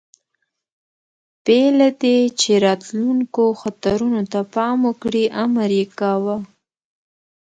بې له دې، چې راتلونکو خطرونو ته پام وکړي، امر یې کاوه.